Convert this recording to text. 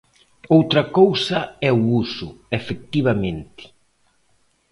Outra cousa é o uso, efectivamente.